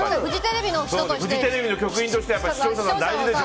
フジテレビの局員として視聴者は大事だろ！